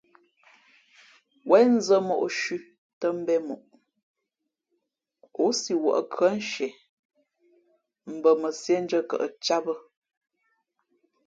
Wěn nzᾱ mǒ shʉ̄ tᾱ mbēn moʼ, ǒ si wᾱʼ khʉάnshie mbα mα sīēndʉ̄ᾱ kαʼ cāt bᾱ.